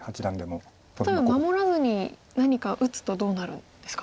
例えば守らずに何か打つとどうなるんですか？